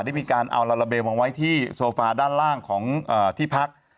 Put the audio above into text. ได้มีการเอาลาลาเบลมาไว้ที่โซฟาด้านล่างของที่พัก